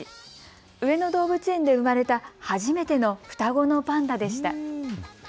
上野動物園で生まれた初めての双子のパンダでした。